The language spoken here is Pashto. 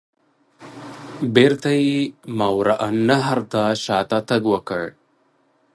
بیرته یې ماوراء النهر ته شاته تګ وکړ.